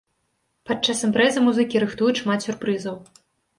Падчас імпрэзы музыкі рыхтуюць шмат сюрпрызаў.